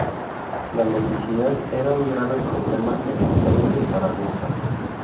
La mendicidad era un grave problema en las calles de Zaragoza.